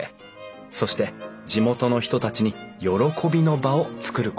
そして地元の人たちに喜びの場をつくることだった